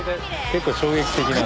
結構衝撃的な。